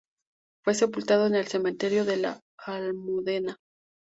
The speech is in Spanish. Fue sepultado en el cementerio de la Almudena.